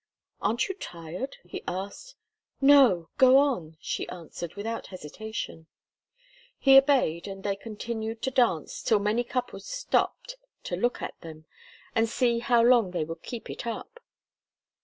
"Aren't you tired?" he asked. "No go on!" she answered, without hesitation. He obeyed, and they continued to dance till many couples stopped to look at them, and see how long they would keep it up.